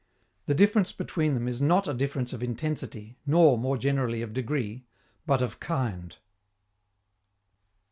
_ The difference between them is not a difference of intensity, nor, more generally, of degree, but of kind.